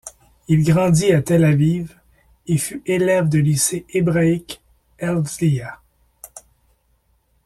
Il grandit à Tel Aviv, et fut élève de lycée hébraïque Herzliya.